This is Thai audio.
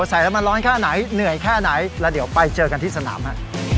ใส่แล้วมันร้อนแค่ไหนเหนื่อยแค่ไหนแล้วเดี๋ยวไปเจอกันที่สนามฮะ